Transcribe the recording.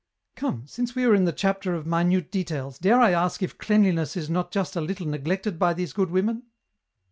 " Come, since we are in the chapter of minute details, dare I ask if cleanliness is not just a little neglected by these good women